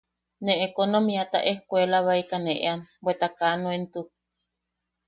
Ne ekonomiata ejkuelabaeka ne ean, bweta kaa nuentuk.